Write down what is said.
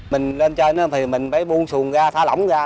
mình lên trên nên mình buông xuồng ra thả lỏng ra